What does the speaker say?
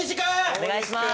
お願いします！